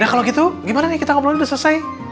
ya kalau gitu gimana nih kita ngobrolin udah selesai